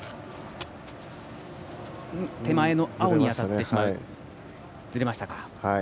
手前の青に当たってしまいましたか。